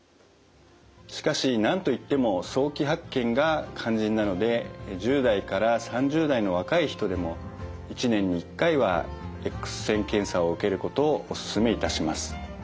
しかしなんといっても早期発見が肝心なので１０代から３０代の若い人でも１年に１回はＸ線検査を受けることをお勧めいたします。